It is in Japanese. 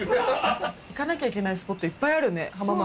行かなきゃいけないスポットいっぱいあるね浜松。